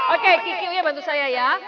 oke kiki uyung bantu saya ya